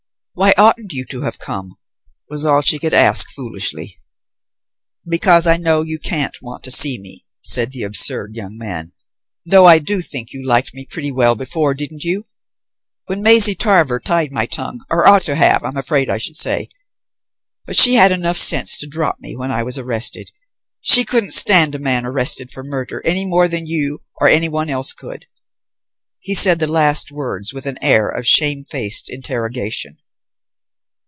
"Why oughtn't you to have come?" was all she could ask foolishly. "Because I know you can't want to see me," said the absurd young man, "though I do think you liked me pretty well before, didn't you? when Maisie Tarver tied my tongue; or ought to have, I'm afraid I should say. But she had enough sense to drop me when I was arrested. She couldn't stand a man arrested for murder any more than you or anyone else could?" He said the last words with an air of shamefaced interrogation.